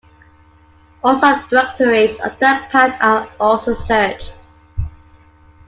All subdirectories of that path are also searched.